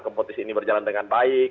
kompetisi ini berjalan dengan baik